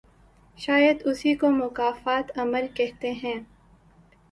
شاید اسی کو مکافات عمل کہتے ہیں۔